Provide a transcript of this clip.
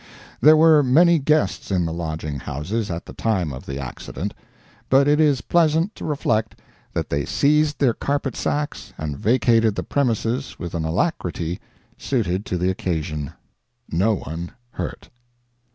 There were many guests in the lodging houses at the time of the accident, but it is pleasant to reflect that they seized their carpet sacks and vacated the premises with an alacrity suited to the occasion. No one hurt.